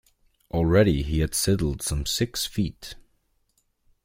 Already he had sidled some six feet.